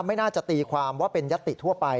ไม่น่าจะตีความว่าเป็นยัตติทั่วไป